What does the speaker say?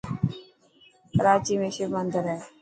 ڪراچي ۾ شو مندر هي.